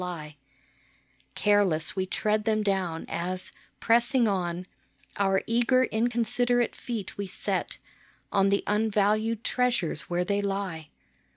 THE HOLY NAME 21 Careless we tread them down, as, pressing on, Our eager inconsiderate feet we set On the unvalued treasures where they lie.